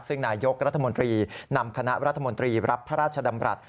ซึ่งนายกรัฐมนตรีนำคณะรัฐมนตรีรับพระราชดำรัฐ